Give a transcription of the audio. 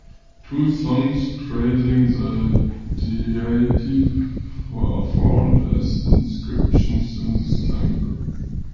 Two songs praising the deity are found as inscriptions in this temple.